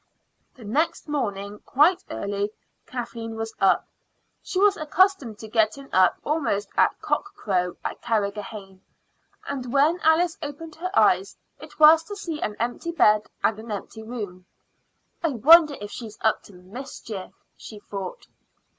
The next morning, quite early, Kathleen was up. She was accustomed to getting up almost at cock crow at Carrigrohane, and when Alice opened her eyes, it was to see an empty bed and an empty room. "I wonder if she's up to mischief?" she thought.